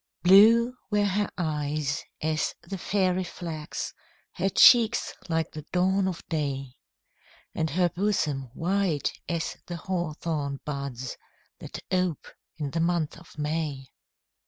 Blue were her eyes as the fairy flax, Her cheeks like the dawn of day, And her bosom white as the hawthorn buds, That ope in the month of May.